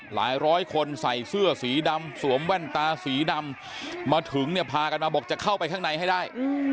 ร้อยคนใส่เสื้อสีดำสวมแว่นตาสีดำมาถึงเนี่ยพากันมาบอกจะเข้าไปข้างในให้ได้